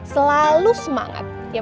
selalu semangat ya mau